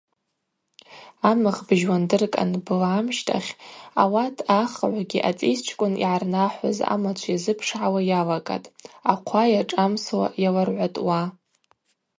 Амыгъ быжьуандыркӏ анблы амщтахь ауат ахыгӏвгьи ацӏисчкӏвын йгӏарнахӏвыз амачв йазыпшгӏауа йалагатӏ, ахъва йашӏамсуа йаларгӏватӏуа.